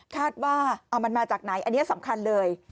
คาดว่าเอามันมาจากไหนอันนี้สำคัญเลย